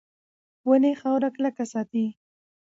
ونې خاوره کلکه ساتي.